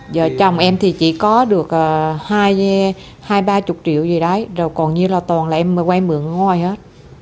giờ chồng em thì chỉ có được hai ba mươi triệu gì đấy rồi còn như là toàn là em vay mượn ngôi hết